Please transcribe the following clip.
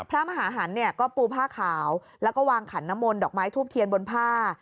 พระมหาหันเนี่ยก็ปูผ้าขาวแล้วก็วางขันน้ำมนดอกไม้ทูบเทียนบนผ้า